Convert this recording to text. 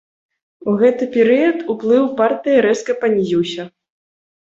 У гэты перыяд уплыў партыі рэзка панізіўся.